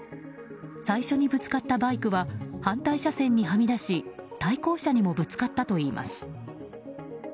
最初にぶつかったバイクは反対車線にはみ出し対向車にもぶつかったといいます。